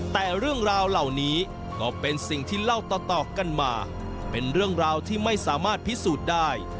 แต่เรื่องราวเหล่านี้ก็เป็นสิ่งที่เล่าต่อกันมาเป็นเรื่องราวที่ไม่สามารถพิสูจน์ได้